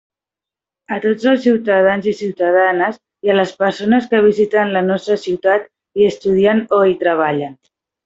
A tots els ciutadans i ciutadanes, i a les persones que visiten la nostra ciutat, hi estudien o hi treballen.